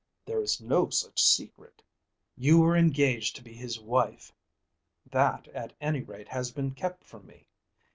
"There is no such secret." "You were engaged to be his wife. That at any rate has been kept from me.